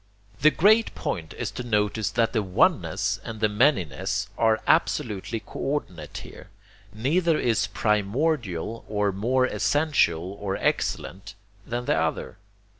The great point is to notice that the oneness and the manyness are absolutely co ordinate here. Neither is primordial or more essential or excellent than the other.